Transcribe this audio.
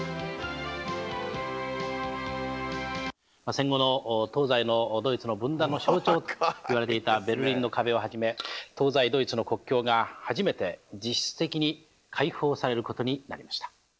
戦後の東西のドイツの分断の象徴といわれていたベルリンの壁をはじめ東西ドイツの国境が初めて実質的に開放されることになりました。